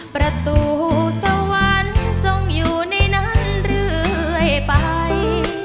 ประตูสวรรค์จงอยู่ในนั้นเรื่อยไป